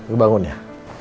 gak bangun ya